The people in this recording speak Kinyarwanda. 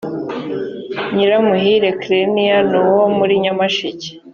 nyiramuhire clenia ni uwo muri nyamasheke